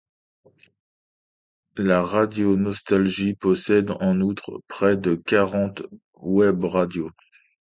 La radio Nostalgie possède en outre près de quarante webradios.